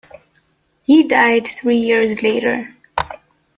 He died three years later.